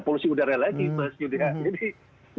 polusi udara lagi mas